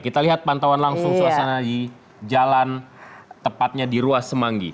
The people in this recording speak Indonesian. kita lihat pantauan langsung suasana di jalan tepatnya di ruas semanggi